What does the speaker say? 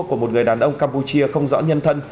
của một người đàn ông campuchia không rõ nhân thân